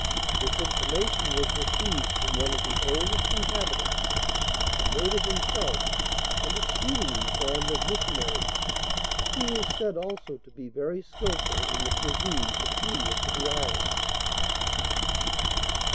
This information was received from one of the oldest inhabitants, a native himself, and exceedingly fond of missionaries. He is said also to be very skilful in the cuisine peculiar to the island.